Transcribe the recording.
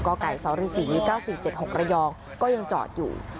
กล้าไก่สอริสีเก้าสี่เจ็ดหกระยองก็ยังจอดอยู่